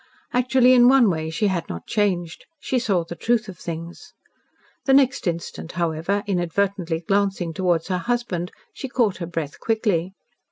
Actually, in one way, she had not changed. She saw the truth of things. The next instant, however, inadvertently glancing towards her husband, she caught her breath quickly.